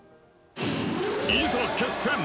いざ決戦！